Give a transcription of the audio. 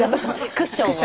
クッションを。